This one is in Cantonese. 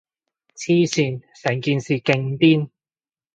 黐線，成件事勁癲